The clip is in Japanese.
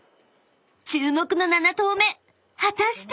［注目の７投目果たして⁉］